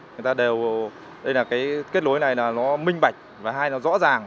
người ta đều đây là cái kết nối này là nó minh bạch và hay nó rõ ràng